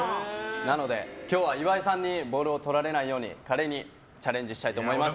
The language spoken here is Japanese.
なので、今日は岩井さんにボールをとられないように華麗にチャレンジしたいと思います。